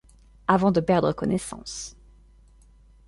Avant de perdre connaissance.